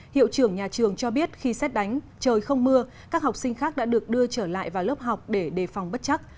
hiệu trưởng nhà trường cho biết khi xét đánh trời không mưa các học sinh khác đã được đưa trở lại vào lớp học để đề phòng bất chắc